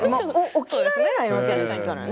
起きられないわけですからね。